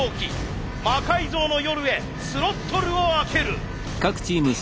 「魔改造の夜」へスロットルを開ける。